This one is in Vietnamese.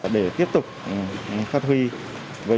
để tiếp tục phát huy với những cái tài liệu